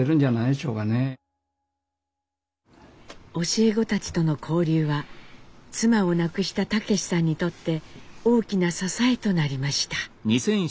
教え子たちとの交流は妻を亡くした武さんにとって大きな支えとなりました。